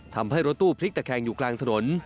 ทำให้รถตู้พลิกตะแคงอยู่กลางถนน